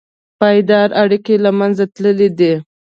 پایداره اړیکې له منځه تللي دي.